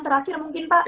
terakhir mungkin pak